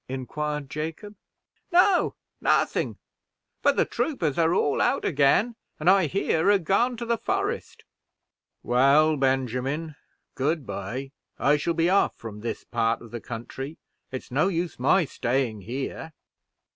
inquired Jacob. "No, nothing; but the troopers are all out again, and, I hear, are gone to the forest." "Well, Benjamin, good by, I shall be off from this part of the country it's no use my staying here.